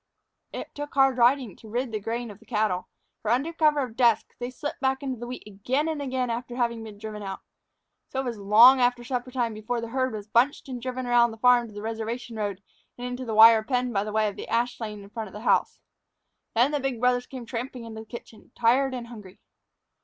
It took hard riding to rid the grain of the cattle, for, under cover of the dusk, they slipped back into the wheat again and again after having been driven out. So it was long after supper time before the herd was bunched and driven around the farm to the reservation road and into the wire pen by way of the ash lane in front of the house. Then the big brothers came tramping into the kitchen, tired and hungry.